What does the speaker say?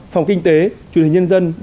phòng kinh tế chuyên hình nhân dân